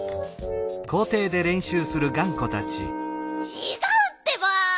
ちがうってば。